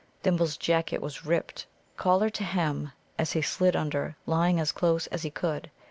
Thimble's jacket was ripped collar to hem as he slid under, lying as close as he could.